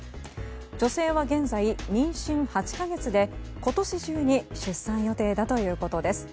女性は現在、妊娠８か月で今年中に出産予定だということです。